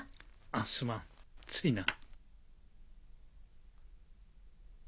あすまんついな。